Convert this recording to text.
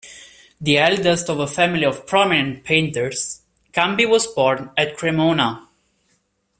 The eldest of a family prominent painters, Campi was born at Cremona.